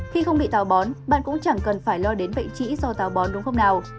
khi không bị tàu bón bạn cũng chẳng cần phải lo đến bệnh trĩ do tào bón đúng không nào